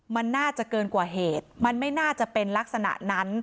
มันน่าจะเกินกว่าเหตุมันไม่น่าจะเป็นลักษณะนั้น